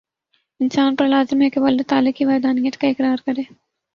انسان پر لازم ہے کہ وہ اللہ تعالی کی وحدانیت کا اقرار کرے